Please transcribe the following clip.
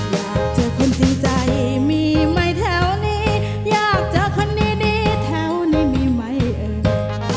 อยากเจอคนจริงใจมีไหมแถวนี้อยากเจอคนดีแถวนี้มีไหมเอ่ย